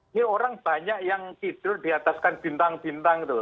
ini orang banyak yang tidur diataskan bintang bintang gitu loh